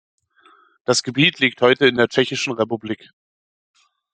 Das Gebiet liegt heute in der Tschechischen Republik.